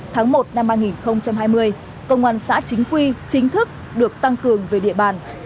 tháng một năm hai nghìn hai mươi công an xã chính quy chính thức được tăng cường về địa bàn